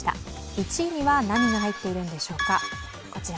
１位には何が入っているんでしょうか。